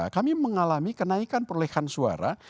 kita sudah mengalami kenaikan perolehan suara